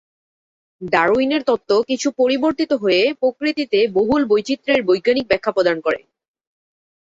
ডারউইনের তত্ত্ব কিছু পরিবর্তিত হয়ে প্রকৃতিতে বহুল বৈচিত্রের বৈজ্ঞানিক ব্যাখ্যা প্রদান করে।